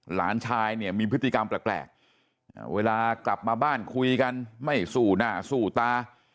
หลานชายเนี่ยมีพฤติกรรมแปลกเวลากลับมาบ้านคุยกันไม่สู้หน้าสู้ตา